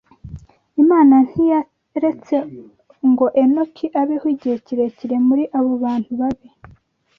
Imana ntiyaretse ngo Henoki abeho igihe kirekire muri abo bantu babi.